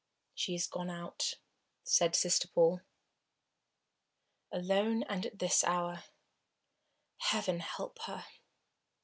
"She is gone out," said Sister Paul. "Alone and at this hour Heaven help her!"